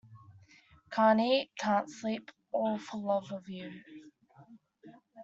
Can't eat, can't sleep — all for love of you.